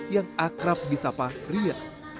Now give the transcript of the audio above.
yang akrab di sapa ria